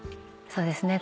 そうですね